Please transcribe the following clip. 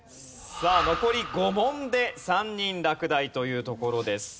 さあ残り５問で３人落第というところです。